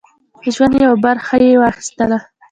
ژوند یوه برخه یې واخیستله.